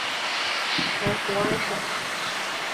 圣胡安省。